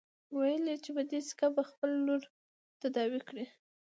ويل يې چې په دې سيکه به خپله لور تداوي کړي.